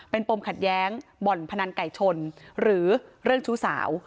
เป็นปมขัดแย้งบ่อนพนันไก่ชนหรือเรื่องชู้สาว